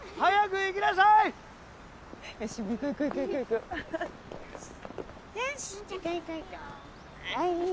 はい。